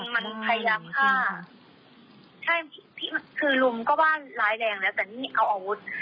มันพยายามฆ่าใช่คือลุมก็บ้านร้ายแรงแล้วแต่นี่เอาอาวุธ